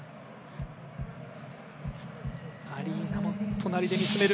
アリーナも隣で見つめる。